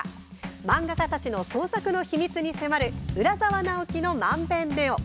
漫画家たちの創作の秘密に迫る「浦沢直樹の漫勉ｎｅｏ」。